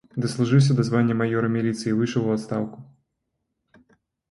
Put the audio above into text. Даслужыўся да звання маёра міліцыі і выйшаў у адстаўку.